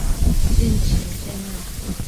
敬请见谅